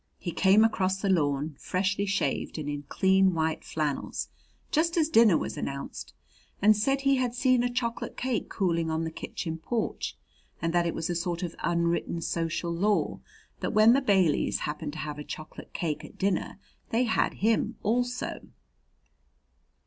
He came across the lawn, freshly shaved and in clean white flannels, just as dinner was announced, and said he had seen a chocolate cake cooling on the kitchen porch and that it was a sort of unwritten social law that when the Baileys happened to have a chocolate cake at dinner they had him also.